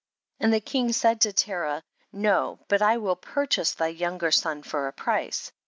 29. And the king said to Terah, no, but I will purchase thy younger son for a price.